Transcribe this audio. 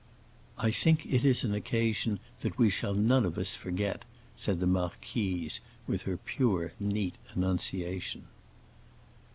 "I think it is an occasion that we shall none of us forget," said the marquise, with her pure, neat enunciation.